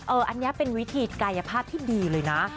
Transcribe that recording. อันนี้เป็นวิธีกายภาพที่ดีเลยนะ